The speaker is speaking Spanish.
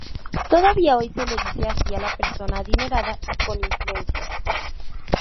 Todavía hoy se le dice así a la persona adinerada y con influencias.